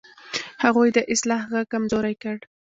هغوی د اصلاح غږ کمزوری کړ.